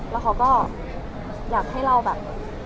แล้วเขาก็อยากให้เราแบบ